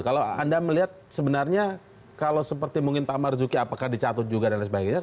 kalau anda melihat sebenarnya kalau seperti mungkin pak marzuki apakah dicatut juga dan lain sebagainya